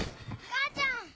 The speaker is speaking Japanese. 母ちゃん？